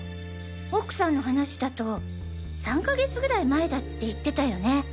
奥さんの話だと３か月ぐらい前だって言ってたよね。